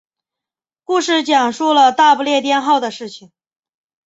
故事讲述了大不列颠号的事情。